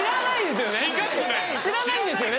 知らないんですよね